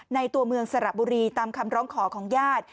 ตัวเมืองสระบุรีตามคำร้องขอของญาติ